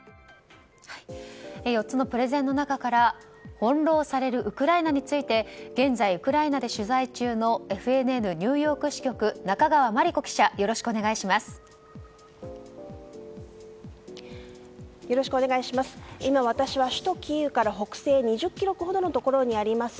４つのプレゼンの中から翻弄されるウクライナについて現在、ウクライナで取材中のＦＮＮニューヨーク支局中川真理子記者よろしくお願いします。